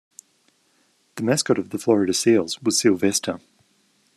The mascot of the Florida Seals was Sealvester.